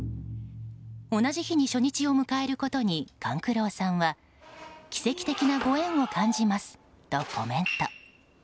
同じ日に初日を迎えることに勘九郎さんは奇跡的なご縁を感じますとコメント。